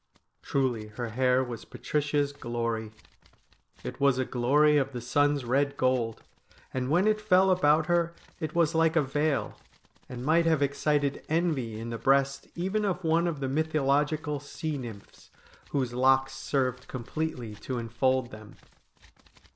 Truly her hair was Patricia's glory ; it was a glory of the sun's red gold, and when it fell about her it was like a veil, and might have excited envy in the breast even of one of the mythologi cal sea nymphs whose locks served completely to enfold them.